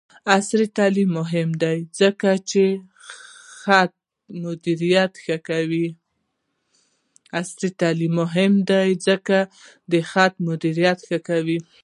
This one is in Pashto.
عصري تعلیم مهم دی ځکه چې د خطر مدیریت ښيي.